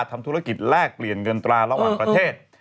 ทำธุรกิจแลกเปลี่ยนเงินตราระหว่างประเทศ